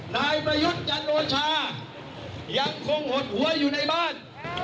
นายประยุทธ์จันโอชายังคงหดหัวอยู่ในบ้าน